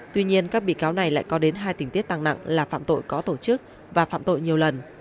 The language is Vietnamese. tuy nhiên các bị cáo này lại có đến hai tình tiết tăng nặng là phạm tội có tổ chức và phạm tội nhiều lần